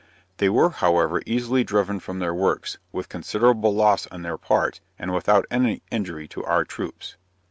They were, however, easily driven from their works, with considerable loss on their part, and without any injury to our troops.